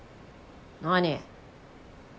何？